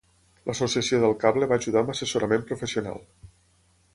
L'associació del cable va ajudar amb assessorament professional.